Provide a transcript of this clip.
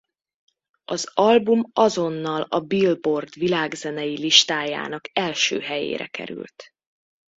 Az album azonnal a Billboard világzenei listájának első helyére került.